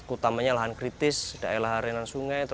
utamanya lahan kritis daerah harian sungai